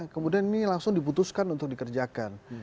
kemudian ini langsung diputuskan untuk dikerjakan